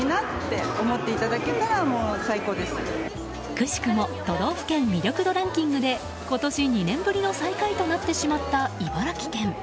くしくも都道府県魅力度ランキングで今年２年ぶりの最下位となってしまった茨城県。